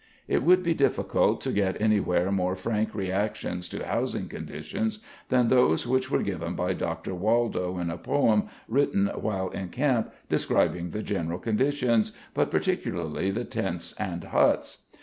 It would be difficult to get any where more frank reactions to housing conditions than those which were given by Dr. Waldo in a poem written while in camp describing the general conditions but particularly the tents and huts.